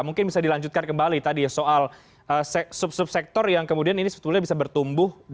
mungkin bisa dilanjutkan kembali tadi ya soal sub subsektor yang kemudian ini sebetulnya bisa bertumbuh